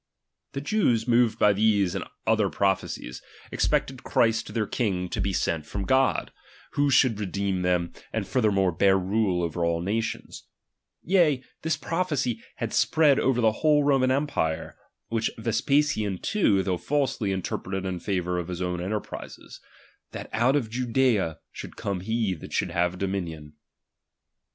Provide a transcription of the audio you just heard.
The Jews moved by these and other prophecies, expected Christ their king to be sent from God ; who should redeem them, and furthermore bear rule over all nations. KELIGION. 2a3 Yea, this prophecy had spread over the whole chap.s Romau empire ; which Vespasian too, though ''~ falsely, interpreted in favour of his own enter prises ; fhat out of Judea should come lie that should haee dominion.